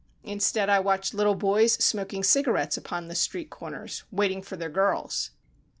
instead, I watch little boys smoking cigarettes upon the street corners, waiting for their girls.